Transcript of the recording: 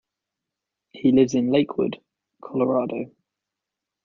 He lives in Lakewood, Colorado.